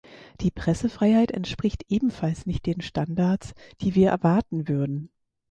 Die Pressefreiheit entspricht ebenfalls nicht den Standards, die wir erwarten würden.